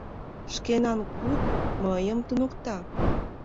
— Шкенан куп мыйым туныкта.